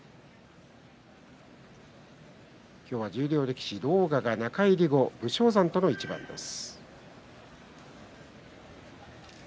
今日は十両力士、狼雅が中入りの武将山との一番です。